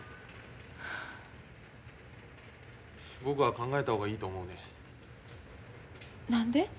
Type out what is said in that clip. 僕は考えた方がいいと思うね。